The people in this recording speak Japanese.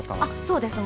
そうです。